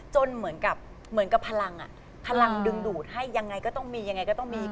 เหมือนกับเหมือนกับพลังพลังดึงดูดให้ยังไงก็ต้องมียังไงก็ต้องมี